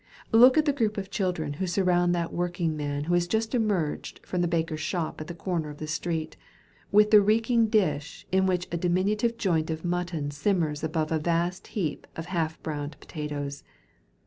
Look at the group of children who surround that working man who has just emerged from the baker's shop at the corner of the street, with the reeking dish, in which a diminutive joint of mutton simmers above a vast heap of half browned potatoes.